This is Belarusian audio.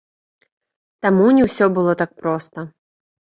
Таму, не ўсё было так проста.